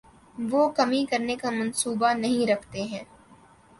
وہ کمی کرنے کے منصوبے نہیں رکھتے ہیں